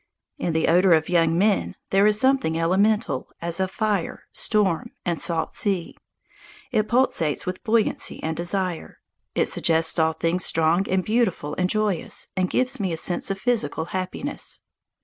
In the odour of young men there is something elemental, as of fire, storm, and salt sea. It pulsates with buoyancy and desire. It suggests all things strong and beautiful and joyous, and gives me a sense of physical happiness.